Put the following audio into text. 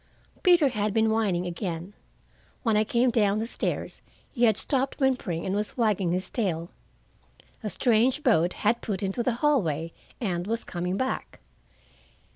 Peter had been whining again. When I came down the stairs he had stopped whimpering and was wagging his tail. A strange boat had put into the hallway and was coming back.